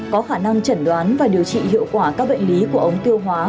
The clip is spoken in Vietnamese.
có khả năng chẩn đoán và điều trị hiệu quả các bệnh lý của ống tiêu hóa